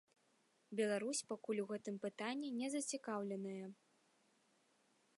Беларусь пакуль у гэтым пытанні не зацікаўленая.